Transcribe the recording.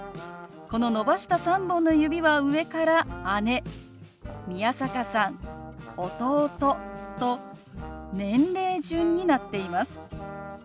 この伸ばした３本の指は上から姉宮坂さん弟と年齢順になっています。